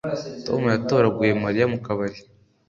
Tom yatoraguye Mariya mu kabari